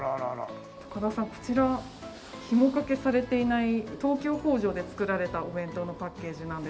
高田さんこちらひもかけされていない東京工場で作られたお弁当のパッケージなんですが。